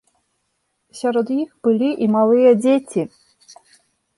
Сярод іх былі і малыя дзеці.